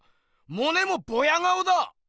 モネもボヤ顔だ！